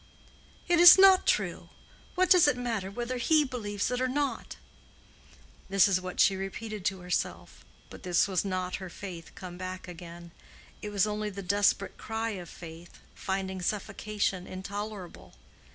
"It is not true! What does it matter whether he believes it or not?" This is what she repeated to herself—but this was not her faith come back again; it was only the desperate cry of faith, finding suffocation intolerable.